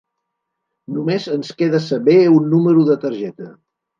Només ens queda saber un número de targeta.